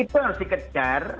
itu yang harus dikejar